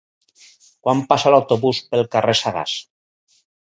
Quan passa l'autobús pel carrer Sagàs?